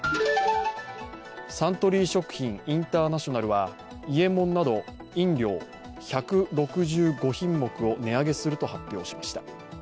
サントリー食品インターナショナルは伊右衛門など飲料１６５品目を値上げすると発表しました。